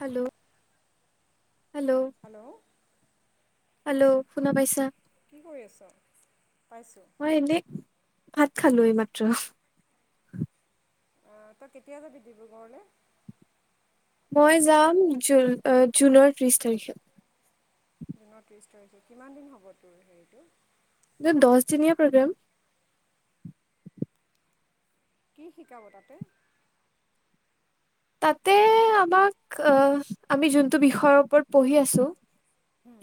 Hello hello. Hello. Hello শুনা পাইছা? কি কৰি আছা? মই এনেই ভাত কি খালো এইমাত্ৰ। অ, তই কেতিয়া যাবি ডিব্ৰুগড়লৈ? মই যাম জু জুনৰ ত্ৰিছ তাৰিখে। জুনৰ ত্ৰিছ তাৰিখে, কিমান দিন হ'ব তোৰ হেৰিটো? দহ দিনীয়া প্ৰগ্ৰাম। কি শিকাব তাতে? তাতে আমাক আমি যোনটো বিষয়ৰ ওপৰত পঢ়ি আছো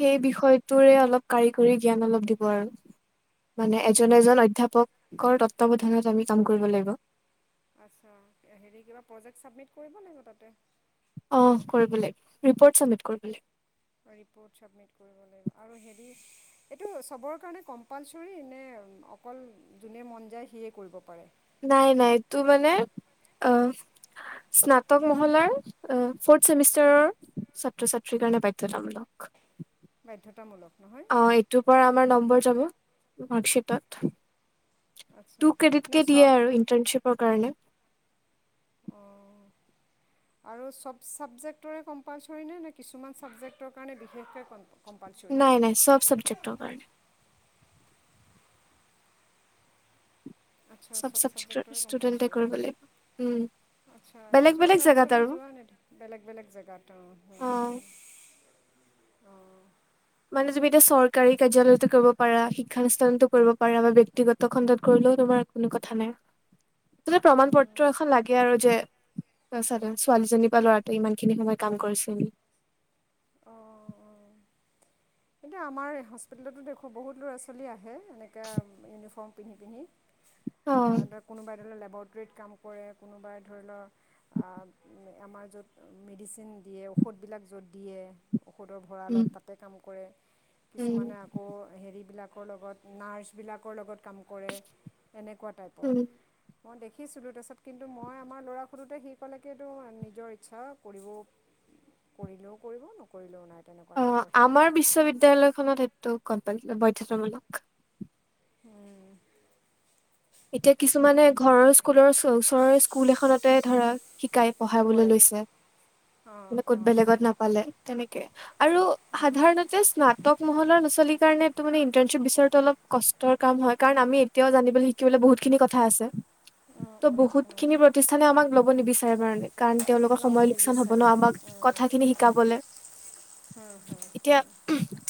সেই বিষয়টোৰে অলপ কাৰিকৰী জ্ঞান অলপ দিব আৰু। মানে এজন-এজন অধ্যয়াপকৰ তত্বাৱধানত আমি কাম কৰিব লাগিব। আচ্ছা এ হেৰি কিবা প্ৰজেক্ট ছাবমিট কৰিব লাগিব তাতে? অঁ কৰিব লাগিব ৰিপৰ্ট ছাবমিট কৰিব লাগিব। ৰিপ'ৰ্ট ছাবমিট কৰিব লাগিব আৰু হেৰি এইটো চবৰ কাৰণে কম্পালচৰি নে অকল যোনে মন যায় সিয়েই কৰিব পাৰে? নাই-নাই এইটো মানে অ স্নাতক মহলাৰ ফৰ্থ চেমিষ্টাৰৰ ছাত্ৰ-ছাত্ৰীৰ কাৰণে বাধ্যতামূলক। বাধ্যতামূলক নহয়? হয় এইটোৰ পৰা আমাৰ নম্বৰ যাব মাৰ্কশ্বিটত। আচ্ছা টু ক্ৰেডিট ন কে দিয়ে চব আৰু ইন্টাৰ্ণশ্বিপৰ কাৰণে। অঁ। আৰু চব ছাবজেক্টৰে কম্পালচৰি নে নে কিছুমান ছাবজেক্টৰ কাৰণে বিশেষকৈ কম্প নাই-নাই চব চাবজেক্টৰ কাৰণে। আচ্ছা চব চাবজেক্টৰ চাবজেক্টৰে ষ্টুডেণ্টে কম্পালচৰী। কৰিব লাগিব উম আচ্ছা বেলেগ বেলেগ কিছুমান জেগাত ল'ৰা-ছোৱালী আৰু যোৱা নে বেলেগ-বেলেগ জেগাত অ [inaudible] অঁ। মানে তুমি এতিয়া চৰকাৰী কাৰ্যালয়তো কৰিব পাৰা, শিক্ষানুষ্ঠানতো কৰিব পাৰা বা ব্যয়ক্তিগত খণ্ডত কৰিলেও তোমাৰ কোনো কথা নাই, আচলতে প্ৰমাণ পত্ৰ এখন লাগে আৰু যে [unintelligible] ছোৱালীজনী পৰা ল'ৰাটোৱে ইমান খিনি সময় কাম কৰিছে নে অঁ, অ। [inaudible] কিন্তু আমাৰ হস্পিটেলতো দেখোঁ বহুত ল'ৰা ছোৱালী আহে এনেকা ইউনিফৰ্ম পিন্ধি-পিন্ধি। [inaudible] অ ধৰক কোনোবাই ধৰি লও লেবৰেটৰীত কাম কৰে কোনোবাই ধৰি লওক আ আমাৰ য'ত মেডিচিন দিয়ে ঔষধবিলাক য'ত দিয়ে ঔষধৰ উম ভঁৰালত তাতে কাম কৰে, উম কিছুমানে আকৌ হেৰিবিলাকৰ লগত নাৰ্ছবিলাকৰ লগত কাম কৰে এনেকুৱা টাইপ। ওপৰ উম মই দেখিছিলোঁ তাৰপিছত কিন্তু মই আমাৰ ল'ৰা সুধোতে সি ক'লেকে নিজৰ ইচ্ছা কৰিব কৰিলেও কৰিব নকৰিলেও নাই। তেনেকুৱা অ, টাইপৰ সেই আমাৰ কথা ক'লে বিশ্ববিদ্যয়ালয়খনত সেইটো গম পাই বাধ্যতামূলক। উম। এতিয়া আচ্ছা কিছুমানে ঘৰৰ স্কুলৰ ওচৰৰ স্কুল এখনতে ধৰা শিকাই কৰে পঢ়াবলৈ লৈছে। অঁ মানে ক'ত অঁ বেলেগত অঁ নাপালে তেনেকে আৰু সাধাৰণত যে স্নাতক মহলাৰ ল'ৰা-ছোৱালী কাৰণে এইটো মানে ইন্টাৰ্নশিপ বিচৰাটো অলপ কষ্টৰ কাম হয় কাৰণ আমি এতিয়াও জানিবলৈ শিকিবলৈ বহুতখিনি কথা আছে। অঁ ত' অঁ বহুত অঁ খিনি প্ৰতিষ্ঠানে আমাক লব নিবিচাৰে মানে, কাৰণ তেওঁলোকৰ ল'ব সময় লোকচান হব নিবিচাৰে ন আমাক কথা খিনি শিকাবলৈ। হুম, হুম, হুম।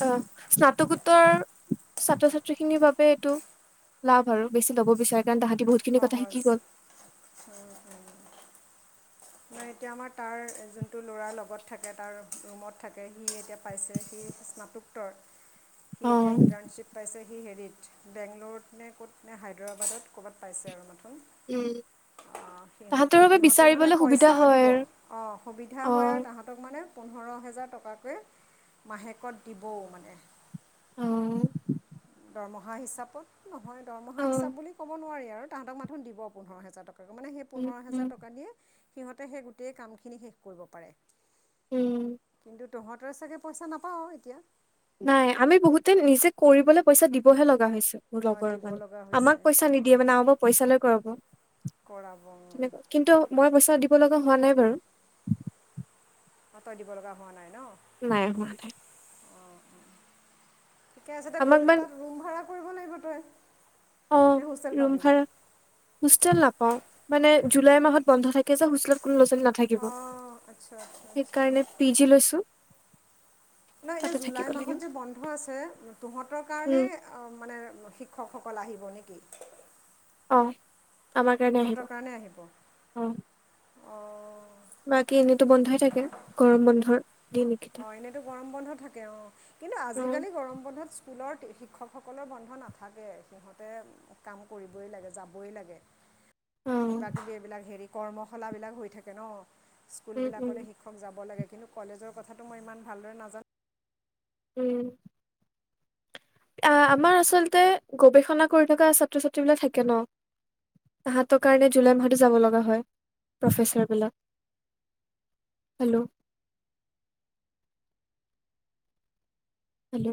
অ' স্নাতকোত্তৰ ছাত্ৰ ছাত্ৰী খিনিৰ বাবে এইটো লাভ আৰু। বেছি ল'ব বিচাৰে কাৰেণ তাহাঁতি বহুত সহজ। মই এতিয়া আমাৰ তাৰ যোনটো ল'ৰাৰ লগত থাকে, তাৰ ৰুমত থাকে। সি এতিয়া পাইছে সি স্নাতোকোত্তৰ। [inaudible] সি এতিয়া অ' ইণ্টাৰ্ণশ্বিপ পাইছে, সি হেৰিত বেংগলোৰত নে ক'ত নে হায়দৰাবাদত ক'ৰবাত পাইছে আৰু মাঠোন। উম অ' তাহাঁতৰ সিহঁতৰ বাবে সিহঁতে মানে বিচাৰিবলৈ সুবিধা পইচাও হয় দিব অ' অ', সুবিধা হয় আৰু তাহাঁত তক মানে পোন্ধৰ হেজাৰ টকাকৈ মাহেকত দিবও মানে। অ'। দৰমহা হিচাপত নহয় দৰমহা অ', হিচাপ বুলি ক'ব নোৱাৰি আৰু তাহাঁতক মাঠোন দিব পোন্ধৰ হেজাৰ টকা। মানে সেই উম, পোন্ধৰ উম, হোজাৰ টকা দিয়ে সিহঁতে সেই গোটেই কামখিনি শেষ কৰিব পাৰে। উম। কিন্তু তহঁতৰ চাগে পইচা নাপাৱ এতিয়া? নাই আমি বহুতে নিজে কৰিবলৈ পইচা দিবহে লগা হৈছো। মোৰ অঁ লগৰৰ দিব মানে, লগা আমাক হৈছে পইচা নিদিয়ে অঁ মানে আমিৰ পইচালৈ কৰাব। কৰাব অ'। তেনেকুৱা কিন্তু মই পইচা দিব লগা হোৱা নাই বাৰু। অ' তই দিব লগা হোৱা নাই ন? নাই হোৱা নাই। ঠিকে আছে দে গৈ আমাক পেলাই মান তাত ৰুম ভাড়া কৰিব লাগিব তই? নে অ' হোষ্টেল ৰুম পাবি ভৰা। হোষ্টেল নাপাওঁ, মানে জুলাই মাহত বন্ধ থাকে যে হোষ্টেলত কোনো ল'ৰা ছাৱালী নাপ কিব, অঁ আচ্ছা আচ্ছা আচ্ছা সেইকাৰণে পি জি লৈছো। নহয় তাতে এতিয়া জুলাই থাকিব মাহত লাগিব যে বন্ধ আছে, তহঁতৰ কাৰণে উম, মানে শিক্ষকসকল আহিব নেকি? অ' আমাৰ কাৰণে আহিব অ'। অ'। বাকী এনেইতো বন্ধই থাকে গৰম বন্ধৰ। দিনকেইটা। অ' এনেইতো গৰম বন্ধ থাকে অ' কিন্তু উম আজিকালি গৰম বন্ধত স্কুলৰ শিক্ষকসকলৰ বন্ধ নাথাকে, সিহঁতে কাম কৰিবই লাগে যাবই লাগে। উম কিবা কিবি এইবিলাক হেৰি কৰ্মশালা বিলাক হৈ থাকে ন, স্কুল উম উম, বিলাকলৈ শি ক্ষক যাব লাগে, কিন্তু কলেজৰ কথাটো মই ইমান ভালদৰে নাজানো। উম। আ আমাৰ আচলতে গৰৱেষণা কৰি থকা ছাত্ৰ ছাত্ৰী বিলাক থাকে ন। তাহঁতৰ কাৰণে জুলাই মা'হতো যাব লগা হয় প্ৰফেচাৰ বিলাক। হেল্ল'? হেল্ল'?